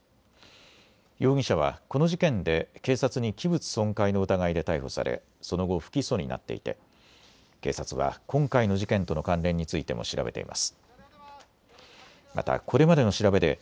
容疑者は、この事件で警察に器物損壊の疑いで逮捕されその後、不起訴になっていて警察は今回の事件との関連についても調べています。